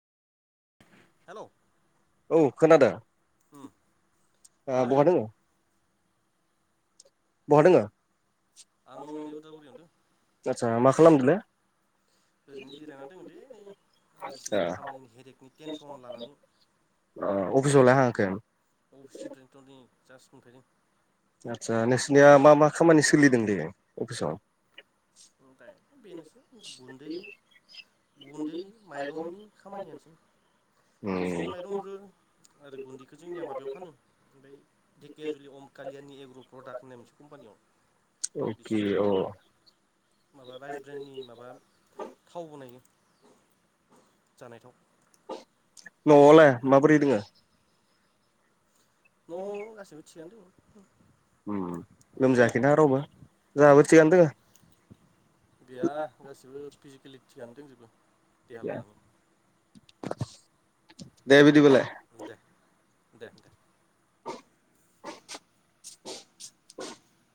Hello. औ खोनादों। आ बहा दङ? आं नै उदालगुरियावनो दोङो आदसा मा खालामदोंलै ओरैनो जिरायनानै दोनलै नै ओ बायदिसिना खामानिनि हेरेकनि टेनसन लानानै। ओ [unintelligible] अफिसनिफ्रायनोन्थ' नै। जास मोनफायदों। आदसा नोंसिनिया मा मा खामानि सोलिदों दे? अफिसाव। [inaudible] बेनोसै गुन्दै गुन्दै माइरंनि खामानियानोसै उम एबसयनो माइरं हरो आरो गुन्दैखौ जोंनिया माबायाव फानो ओमफ्राय धेकियााजुलि अम कालियााननि एग्र' प्रडाक्ट होननाय मोनसे कम्पानियाव अके बिसोरो अ माबा राइस ब्रेन्नि माबा थावबो [unintelligible] जानायथाव। न'आवलाय माबोरै दोङो? न' गासैबो थिगानो उम दं नोंसोरलाय लोमजायाखैना रावबो जोंहाबो थिगानो दोङो गैया गासैबो फिजिकेलि थिगानो दंजोबो देहा लानानै। दे बिदिबालाय। दे दे दे। [unintelligible]